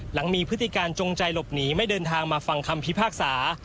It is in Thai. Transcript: หลังมีพฤติการจงใจหลบหนีไม่เดินทางมาฟังคำพิพากษา